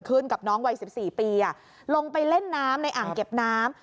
กับน้องวัย๑๔ปีลงไปเล่นน้ำในอ่างเก็บน้ำ